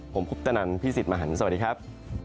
ผมพุทธนันทร์พี่สิทธิ์มหันต์สวัสดีครับ